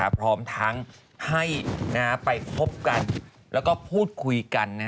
พร้อมทั้งให้ไปคบกันแล้วก็พูดคุยกัน